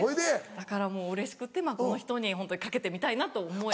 だからもううれしくてこの人に懸けてみたいなと思えて。